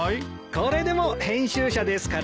これでも編集者ですからね。